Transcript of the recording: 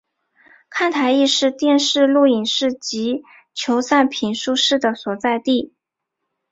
看台亦是电视录影室及球赛评述室的所在地。